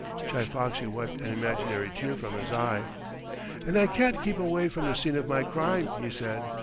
Chi Foxy wiped an imaginary tear from his eye. "And I can't keep away from the scene of my crime," he said.